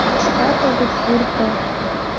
Нигушкат огыт пурто.